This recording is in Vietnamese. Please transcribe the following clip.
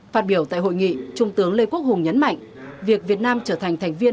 phát biểu tại hội nghị trung tướng lê quốc hùng nhấn mạnh việc việt nam trở thành thành viên